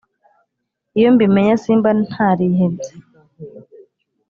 iyo mbimenya simba ntarihebye